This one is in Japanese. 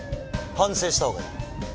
反省した方がいい。